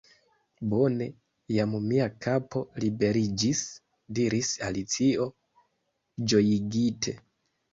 "Bone! Jam mia kapo liberiĝis," diris Alicio, ĝojigite.